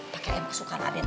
pakai emas suka lah den